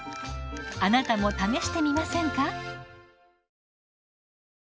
あなたも試してみませんか？